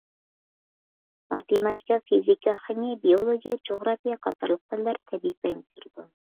ماتېماتىكا، فىزىكا، خىمىيە، بىئولوگىيە، جۇغراپىيە قاتارلىق پەنلەر تەبىئىي پەنگە كىرىدۇ.